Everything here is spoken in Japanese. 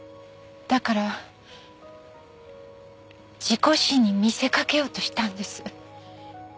だから事故死に見せかけようとしたんです。